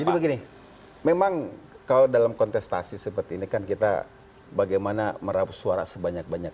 jadi begini memang kalau dalam kontestasi seperti ini kan kita bagaimana merauh suara sebanyak banyak